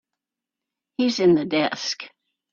He's in the desk.